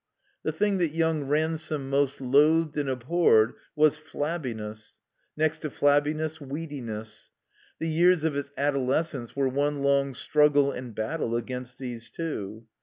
The thing that yoimg Ransome most loathed and abhorred was Flabbiness, next to Flabbiness, Weediness. The years of his adolescence were one long struggle and battle against these two.